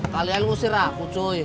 kalian ngusir aku cuy